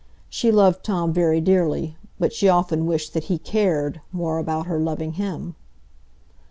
She loved Tom very dearly, but she often wished that he cared more about her loving him.